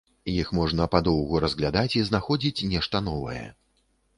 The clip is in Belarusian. Іх можна падоўгу разглядаць і знаходзіць нешта новае.